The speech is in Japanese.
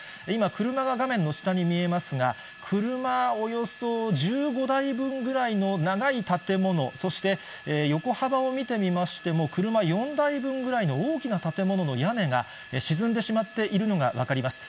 今、車が画面の下に見えますが、車およそ１５台分ぐらいの長い建物、そして、横幅を見てみましても、車４台分ぐらいの大きな建物の屋根が沈んでしまっているのが分かります。